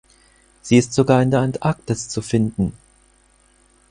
Sie ist sogar in der Antarktis zu finden.